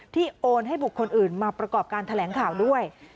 โอนให้บุคคลอื่นมาประกอบการแถลงข่าวด้วย